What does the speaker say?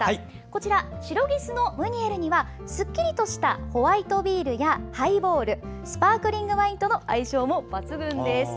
こちら、シロギスのムニエルにはすっきりとしたホワイトビールやハイボールスパークリングワインとの相性も抜群です。